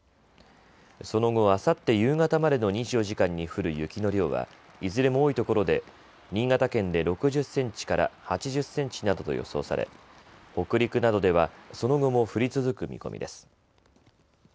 その後あさって夕方までの２４時間に降る雪の量はいずれも多い所で新潟県で６０センチから８０センチなどと予想され北陸などではその後も降り続く見込みです。